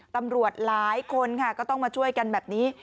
ตำรวจหลายคนค่ะก็ต้องมาช่วยกันแบบนี้